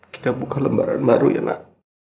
kita buka lembaran baru ya nak